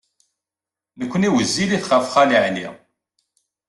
Nekkni wezzilit ɣef Xali Ɛli.